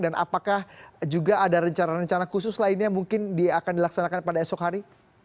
dan apakah juga ada rencana rencana khusus lainnya mungkin akan dilaksanakan pada esok hari